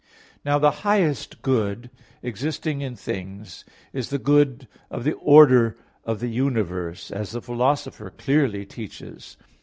Now the highest good existing in things is the good of the order of the universe, as the Philosopher clearly teaches in _Metaph.